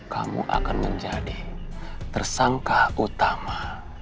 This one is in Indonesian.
kamu akan menjadi tersangka utama